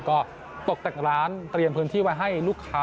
ก็ตกแต่งร้านเตรียมพื้นที่ไว้ให้ลูกค้า